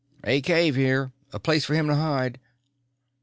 "A cave here a place for him to hide."